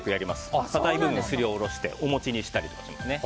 この硬い部分をすりおろしてお餅にしたりしますね。